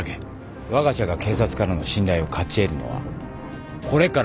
わが社が警察からの信頼を勝ち得るのはこれから。